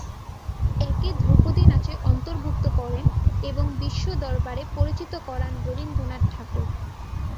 একে ধ্রুপদি নাচে অন্তর্ভুক্ত করেন এবং বিশ্বদরবারে পরিচিত করান রবীন্দ্রনাথ ঠাকুর।